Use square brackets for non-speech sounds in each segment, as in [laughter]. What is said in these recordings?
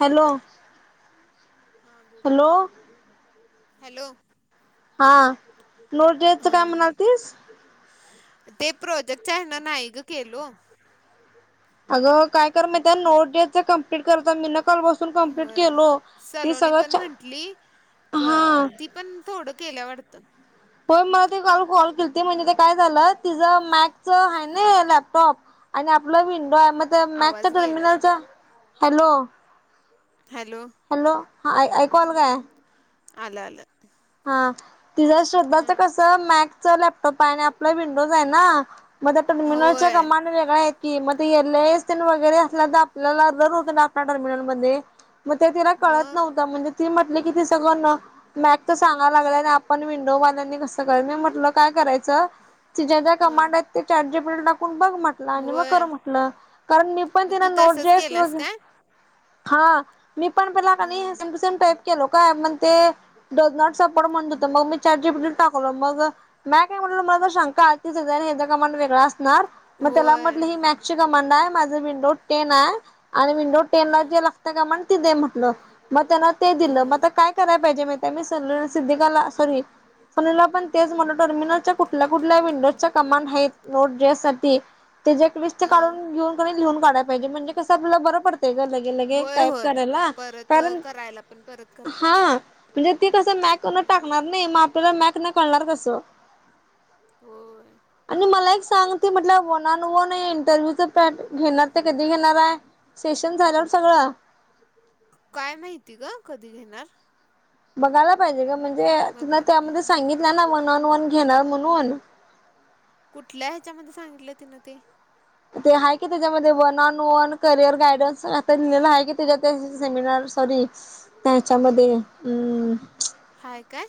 Hello. हा, बोल. Hello hello. हा. नोट द्यायचं, काय हां म्हणालतीस? ते प्रोजेक्टचं हाय ना, नाही गं केलो. अगं, काय कर मी त्या नोट द्यायचं कम्प्लीट करचा. मी न कल बस होय. सलोनी पण म्हंटली. क हा ती पण, थोडं केल्या वाटतं. पण मला तेल कॉल केलती, म्हणजे ते काय झालं. तिचं मॅथचं हाय नं लॅपटॉप. आणि आपला विंडोय. मग मॅगच्या आवाज गेला तुझा टर्मिनलचा. हॅलो. हॅलो. हॅलो, हा. ऐकू आलं काय? आलं- आलं. हा. तीझं, श्रद्धाच हां कसं, मॅकचं लॅपटॉपाय अन् आपला विंडोजाय ना. मग त्या टर्मिनल च्या होय कमांड वेगळ्यायत की. मग ते एल एस वगैरे असल्या तर आपल्याला [unintelligible] आप टर्मिनलमध्ये. मग ते तिला कळत मग नव्हंत. म्हणजे ती म्हटली की, ती सगळं न मॅक चं सांगाय लागलाय. न आपण विंडोवाल्यांनी कसं कर? मी म्हटलं, काय करायच चं. ज्या- ज्या हां कमांडयत ते चॅट जी पी टी ला टाकून बघ, मट ल आणि मग होय कर म्हटलं. कारण मी पण मग तिना तू नोट तसंच जस केलास वगैर, काय हा. मी पण पला कनिय, हं सेम टू सेम टाईप केलो. का म्हण ते डझ नॉट सपर्ट म्हणत होतं. मग मी चॅट जी पी टी ला टाकलो. मग म्या काय म्हटलो, मला जर शंका आलती. याचा आणि हेचा कमांड वेगळा अस णार. म त्याला होय म्हटलं, ही मॅकची कमांडाय. माझ विंडो टेनाय. आणि विंडो टेनला हं जे लागत कमांड ती दे म्हटलं. मग त्यांन ते हां दिलं. हां मग काय कराय पाहिजे? म त्या म सल सिद्धिकाला सॉरी म्हला पण तेच म्हटलं. टर्मिनलच्या कुठल्या- कुठल्या विंडोजच्या कमांड हायेत, नोट देयासाठी. त्याजी एक लिस्ट हां काढून घेऊन, लिहून काढय पाहिजे. म्हणजे कसं, आपल्याला बरं पडतंय गं लई. ते लगे, होय टाईप होय करायला. परत कारण, करायला पण परत हा. करताना म्हणजे ते कसं मॅकन हं टाकणार, नाही. मग आपल्याला मॅकनं, कळणार कसं? हो. आणि मला एक सांग. ते म्हटलं, वन अन वन या इंटरव्ह्यूच कार्ड घेणार ते कधी घेणार आहे सेशन झाल्यावर सगळं. काय माहिती गं कधी घेणार. बघायला पाहिजे गं म्हणजे तुला बघायला त्यामध्ये पाहिजे होय. सांगितलं ना वन ऑन वन घेणार म्हणून. कुठल्या ह्याच्यामध्ये सांगितलं तिनं ते? ते आहे की त्याज्यामध्ये one on one career guidance आता लिहिलेला आहे की त्याज्या त्या सेमिनार तरी त्याच्यामध्ये उम्म. हाय काय?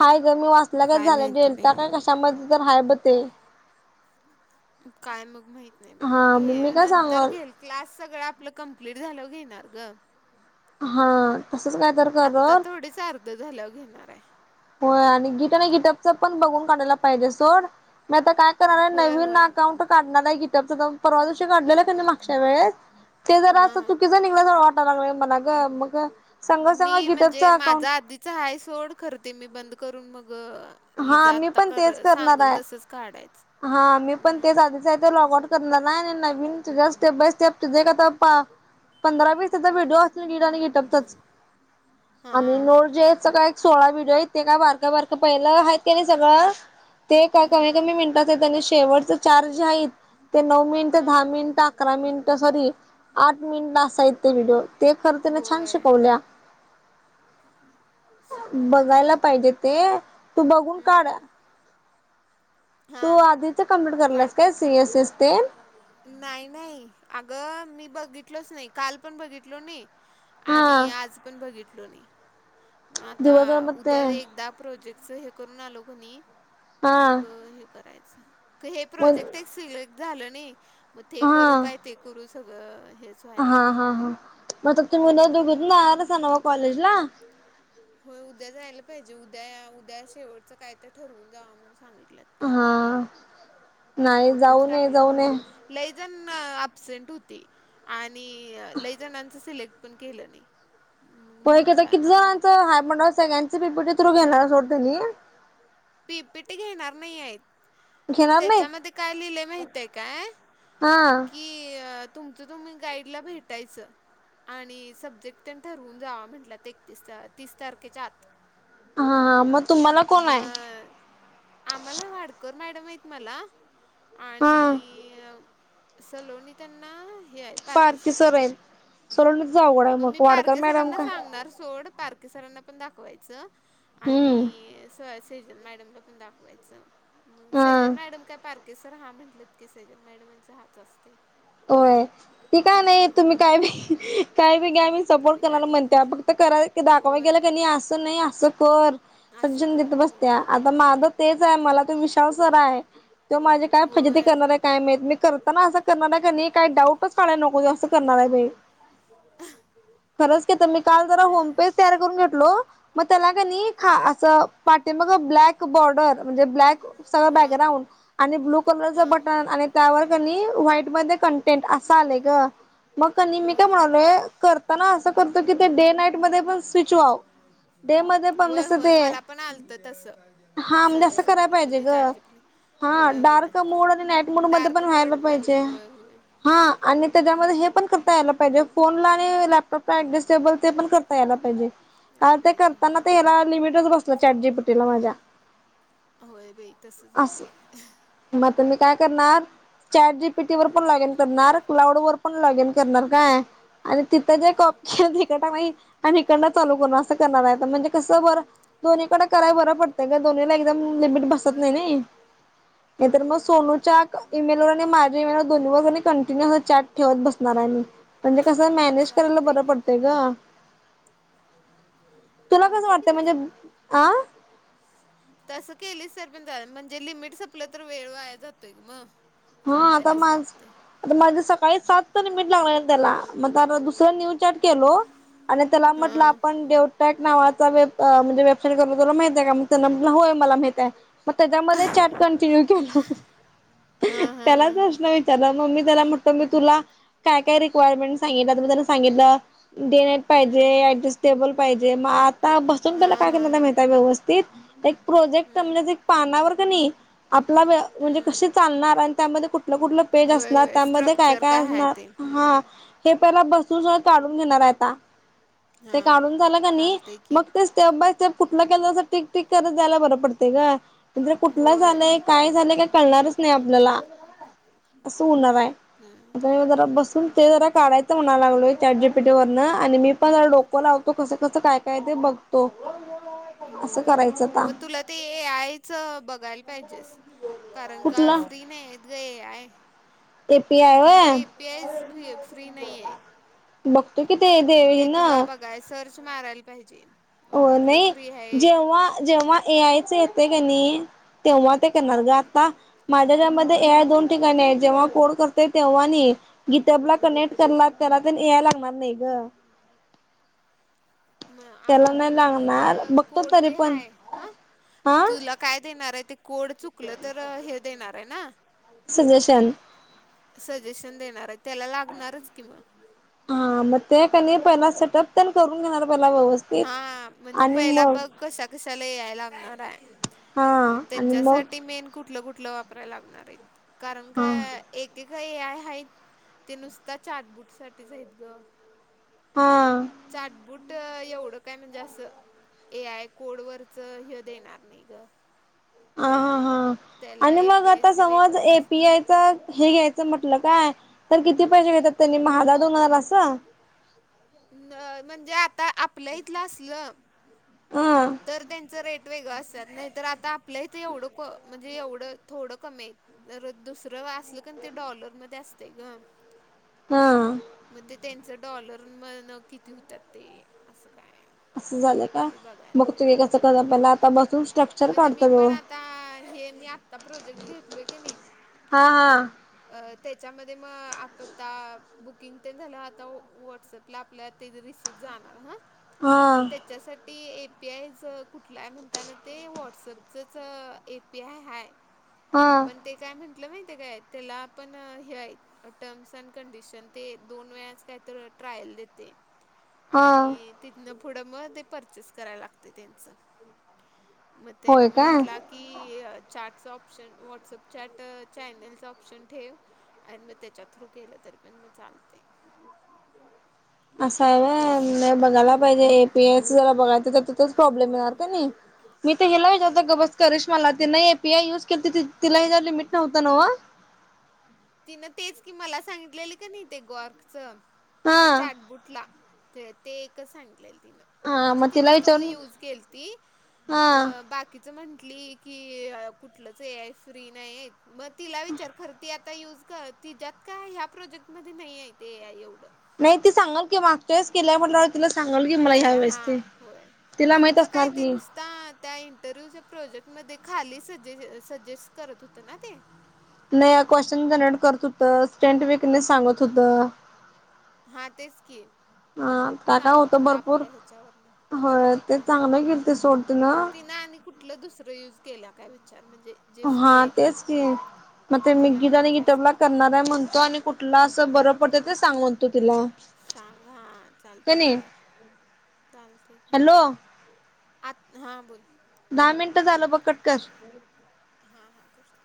हाय गं मी वाचल्या गत काय झालं माहिती बाई. डेल्टा काय कशामध्ये तर हाय ब ते. काय मग महित नाही बाई हा मग मी घे काय नंतर सांगल घेल क्लास सगळं आपलं कंप्लीट झाल्यावर घेणार गं. हा तसच काय तर आता करल थोडीच अर्ध झाल्यावर घेणार आहे. होय आणि गीट आणि गीटबच पण बघून काढायला पाहिजे सोड. मी आता काय करणार आहे होय नवीन होय अकाउंट काढणार आहे गीटप परवाशी काढलेला त्यांनी मागच्या वेळेस ते जरा असं हा. चुकीचां निघला. [unintelligible] वाटाय लागलं मला गं मग संग संग गीटपच अकाउंट चा आला हाय सोड खरं ते मी बंद करून मग अ हि हा जा मी आता पण तेच करय करणार सांगल आहे. तसच काढायचं हम्म. चा ते लॉग आऊट करणार नाही नाही नवीन तिज्याच ते बेच त्या तुजे का आता ते पा पंधरा वीस तर व्हिडिओ असतील गीट आणि गिटपतच हा आणि नोट जेच्या काय सोळा व्हिडिओ येते का बारकं बारकं पहिलं आहेत का नाही सगळं? ते काय हा कमी-कमी मिनिटच त्यांनी शेवटच चार्ज आहेत- ते नऊ मिनिटं, हा दहा मिनिटंअकरा मिनिटं. सॉरी आठ मिनिटला असाय ते व्हिडिओ. ते खरं त्याने छान होय. शिकवल्या. शिकवल्या बघायला सोड पाहिजे ते तू बघून काढ हम्म तू हा. आधीचा कम्प्लीट करल्यास काढतो काय की सी एस एस ते? नाही नाही अगं मी बघितलोच नाही काल पण बघितलो नाही हा आणि आज पण बघितलो नाही म आता दिवसभर मग ते उद्या एकदा प्रोजेक्टचा हे करून आलो की नाही हा मग हे करायचं. क हे मग प्रोजेक्ट ही सिलेक्ट झालं नाही म ते हा करू काय ते करू सगळं हेच. हा व्हायला लागले हा हा म आता तुम्ही ना म्हणून दोघी मग नाय नाही ना बाई असा नव कॉलेजला. [inaudible] होय उद्या जायला पाहिजे उद्या उद्या शेवटचं काय तर ठरवून जा म्हणून सांगितलंय. हा नाही नोटीस जाऊ न ये टाकल्यात जाऊन ये. नव्ह लई जन अ ॲबसेंट होती आणि लई जणांचं सिलेक्ट पण केलं नाही. मग पण हे केता म्हंटलं किती आता जणांचं हाय मंडळं सगळ्यांचा पी पी टी थ्रू घेणार सोडते नी. पी पी टी घेणार नाही आहेत. घेणार नाहीत त्याच्यामध्ये काय लिहिलं माहितय काय हा की अ तुमचं तुम्ही गाईडला भेटायचं. आणि सब्जेक्ट तेन ठरवून जावा म्हटलं ते एकतीस तीस तारखेच्या आत. हा हा म तुम्हाला कोण आहे? [unintelligible] आम्हाला वाडकर मॅडम आहेत मला. हा आणिय सलोनी त्यांना हे आहेत पारके सर आहेत सोडवणीच अवघड आहे मग मी वाडकर पारके मॅडम सरांना काय सांगणार सोड पार के सरांना पण दाखवायचं हम्म आणि सय. सेजल मॅडमला पण दाखवायचं. म हा सेजन मॅडम काय पारकेसर हा म्हटलेत की सैजन मॅडम यांचा हाच असतेय. ओय ठी काय नाही तुम्ही काय बे काय बेघ्यामी सपोर्ट तुम्ही काय कणारला पण म्हणते घ्या फक्त करा दाखवाय गेले होय क नाही आस नाही आस आहे. कर असं सजेशन देत कर बसत्या होय आता माझं तेच आहे मला त विशाल सर आहे. ते माझे काय फजिती होय करणार आहे काय माहीत मी करताना असं करणार आहे काही डऊटच काढायल नको असं करणार आहे. खरंच का तर मी काल जरा काय होम पेज तयार करून घेतलो मग त्याला का नाही ख हं असं. पाठी माग ब्लॅक बॉर्डर म्हणजे ब्लॅक सगळं हं बॅकग्राउंड आणि ब्लू कलरच हं बटन आणि त्यावर कणी व्हाईट मद्ये कंटेंट असं आलंय ग. मग क मी काय हं म्हणालोय करताना असं करतो की ते डे नाईट मध्ये पण स्विच व्हाव. ते मध्ये पण होय जसं होय ते मला पण आलतं हा तसं म्हणजे असं करायला सजेशनला पाहिजे म्हणजे ग. चाट जीपीटी हा होय होय डार्क मोड आणि नाईट मोड मध्ये डार्क पण व्हायला मोड पण पाहिजे. होय होय हा आणि त्याच्यामध्ये हे पण करता यायला पाहिजे फोनला आणि लॅपटॉपला ऍडजस्टेबल ते पण कर यला पाहिजे दिला काल ते पाहिजे करताना होय त्याला लिमिटच बसला चॅटजीपटीला माझ्या होय बाई तसच होते. असं. मग त मी काय करणार चॅटजीबीटी वर पण हम्म लॉगिन करणार क्लाउड वर पण लॉग इन करणार काय. आणि तिथं जे कॉप हम्म के तिक मा [unintelligible] चालू करणर अस करणार आता म्हंजे कस दोन्हीकड कराय बर पडतय ग दोन्हीला लिमिट बसत होय नाही होय नी नाहीतर मग हम्म सोनुच्या ईमेल आणि माझ्या जे दोन् कंटिन्यूस चॅट ठेवत बसणार आहे मी म्हणजे कसं मॅनेज करायला चालतय बरं की पडतंय ग. चालतय कि तस पण. आं. तसं केलीच तर पण म्हणजे लिमिट संपलं तर वेळ वाया जातोय ग मग. हा आता थांबायलाच माझ लागतय आता माझे सकाळी सात तरमिट लागले त्याला मग तर दुसरं न्यू चॅ्ट केल. आणि त्याला हा म्हटलं आपण देवटॅक नावाचा वे म्हणजे वेबसाईट करून तला माहितय का मग त्यां होय मला माहितय मग त्याच्यामध्ये च कंटीन्यू केलो. हा हा हा त्यालाच हा असण त्याला मग मी त्याला म्हटत मी तुला काय काय रिक्वायरमेंट सांगितलं त त्याला सांगितलं डेनाईट पाहिजे हम्म ऍडजस्टेबल पाहिजे मग आता बसून हा पला काय हा कर हा माहिताय व्यवस्थित. एक प्रोजेक्ट हम्म म्हणजे एक पानावर क नाही आपला म्हणजे हम्म कसे चालणार आणि त्यामध्ये कुठ कुठकुठल पेज होय असणार होय त्यामध्ये काय स्ट्रक्चर काय आहे ते असणार हा. हम्म हे पहिला बसून स काढून घेणार आता हा ते काढून झालं क नाही चालतय की मग तेच ते बा सप कुठलं केलंं टक टक करत जायला बरं पडतेय का म्हे कुठलं होय झालंय काय झा का कळणारच नाही आपल्याला असं होणार आहे. हा. जरा बसून ते जरा काढायचं म्हणा लालय चॅटजीबीटी वरन आणि मी पण जरा डोक ो लावतो कसं कसं काय काय ते बघतो असं होय करायचं आता मग तुला ते आ आई च बघायला पाहिजेस कारण का कुठला फ्री नाही य इ आई. एपी आय म्हणजे व्हय एपीआय फ फ्री नाही आहेत. बघ तू कि ते. मग देवी ते ना तुला बघाय सर्च मारायला पाहिजे. हो कुठलं नाही फ्री आहेत. जेव्हा जेव्हा ए आयचं येतं क नई. तेव्हा ते करणार ग. हं. आत्ता माझ्या ह्याच्यामध्ये ए आय दोन ठिकाणी आहे, जेव्हा कोड करते तेव्हा नी, गीतबला कनेक्ट करणार त्याला ते न ए आय लागणार नाही ग. म त्याला आता नाही म्हणजे लागणार तुझं बघतो कोड तरी जे पण हाय हा? हा तुला काय देणार आहे ते कोड चुकलं तर हे देणार आहे ना? सजेशन. सजेशन देणार आहे, त्याला लागणारच की मग? हा मग ते क नई पहिला सेटअप तेन करून घ्यायला पहिला व्यवस हा म्हणजे पहिला बघ कशा कशाला ए आय लागणारे. हा मग आणि मग त्याच्यासाठी मेन कुठलं कुठलं वापरायला लागणार आहे, कारण हा का एके का ए आय आहेत ते नुसतं चाटबुटसाठीच आहेत ग. हा. चाटबूट एवढं काय म्हणजे असं ए आय कोडवरचं हे देणार नाही ग. ह हां हां त्याला आणि ए मग पी आय आता सी समज वेगळंच ए पी असणार. आय तर हे घ्यायचं म्हटलं काय तर किती पैसे घेतात त्यांनी म हजर दोन हजार असं? म्हणजे आता आपलं इथलं असलं हा. तर त्यांचं रेट वेगळं असत्यात, नाहीतर आता आपल्या इथं एवढं को म्हणजे एवढं थोडं कमी आहे. जर दुसरं असलं क न ते डॉलर मध्ये असतंय ग. हा. मग ते त्यांचं डॉलर म किती होतात ते असं काय? असं झालंय का? ते बघायला मग म्हणजे मी काढतो पण आता हे मी आता प्रोजेक्ट घेत लोय की नाही? हा हा. त्याच्यामध्ये मग आता बुकिंग तेन झालं त व्हॉट्सॲप ला आपल्या ते रिसिप्ट जाणार हा हा हा मग त्याच्यासाठी पी आय जं कुठला आहे म्हणताना ते व्हॉट्सअपचंच ए पी आय हाय. हा. पण ते काय म्हंटलं माहितीय काय त्याला आपण हे हाय टर्म्स अँड कंडिशन ते दोन वेळास काय तर ट्रायल देते. हा आणि तिथनं पुढं मग ते परचेस करायला लागते त्यांचं. मग होय तेनं काय म्हंटला की चाटचं ऑप्शन व्हॉट्सअप चॅट चॅनलचं ऑप्शन ठेव. अन् मग त्याच्या थ्रू केलं तरी पण मग चालते. असा आहे असं व्हय, आहे नाही ते बघायला पाहिजे ए होय पी आयचं जरा बघायचं तर तोच प्रॉब्लेम होय येणारं का होय नाही? मी तर याला होय. गवस करत मला तिनं हे पी आय युज के तिलाही झाले लिमिट नव्हतं नव्हं. तिनं तेच कि मला सांगितलेले का नाही ते गॉर्कचं ते हा चाटबुटला? ते ते एक सांगितलेल तिनं. हा म्हणजे मग तिनं तिला तो विचारून यूज केलती हा मग बा तिच म्हंटली की कुठलचं ए आय फ्री नाही मग तिला विचार खरं ते त्या युज कर तिच्यात काय ह्या प्रोजेक्टमध्ये नाहीय ते एवढं. नाही ते सांगल की मागच्या वेळेस केलाय म्हटल्यावर तिला सांगाल की मला ह्या केलं वेळेस ते हां तिला माहित असणार की. ता त्या इंटरव्ह्यूच्या प्रोजेक्ट मध्ये खाली स सजेस्ट करत होते ना ते. नाही क्वेशचन जनरेट करत होत. [unintelligible] सांगत होत. हा तेचकी. हा काका होत भरपूर ह्याच्यावरनं. होय ते होय. चांगलं केलती सोड तिन. तिनं आणि कुठलं दुसरं युज केल्या काय विचार म्हणजे? जे हा फ्री आहे ते? तेच की मग मी तिला गीता आणि माहिती गीटला असणार. करणार हाय म्हणतो आणि कुठ कुठला अस बरं पडतं ते सांग म्हणतो तिला. सांगा हा चालतय कणी की चालतय की. हॅलो आत हा बोल. दहा मिनटं झालं बघ कटकर. हा हा करतो.